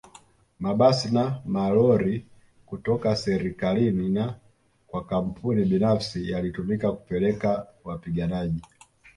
Mabasi na malori kutoka serikalini na kwa kampuni binafsi yalitumika kupeleka wapiganaji